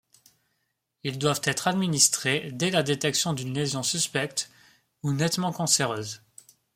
Ils doivent être administrés dès la détection d'une lésion suspecte ou nettement cancéreuse.